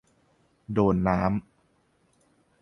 โดนน้ำ